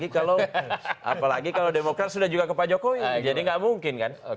gak cukup apalagi kalau demokrat sudah juga ke pak jokowi jadi gak mungkin kan